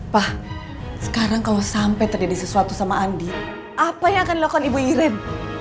pak sekarang kalau sampai terjadi sesuatu sama andi apa yang akan dilakukan ibu irin